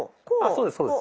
そうですそうです。